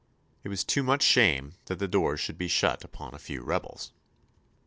It was too much shame that the doors should be shut upon a few rebels.